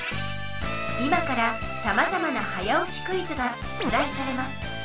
今からさまざまな早押しクイズが出だいされます。